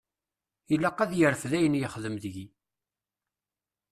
Ilaq ad yerfed ayen yexdem deg-i.